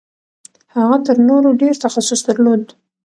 هغه تر نورو ډېر تخصص درلود.